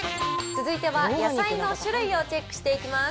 続いては野菜の種類をチェックしていきます。